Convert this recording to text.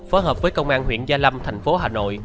phối hợp với công an huyện gia lâm thành phố hà nội